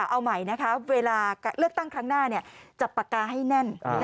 เอาใหม่นะคะเวลาเลือกตั้งครั้งหน้าจับปากกาให้แน่น